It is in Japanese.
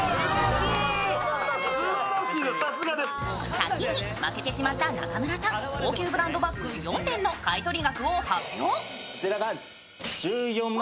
先に負けてしまった中村さん、高級ブランドバッグ４点の買い取り額を発表。